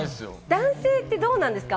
男性ってどうなんですか？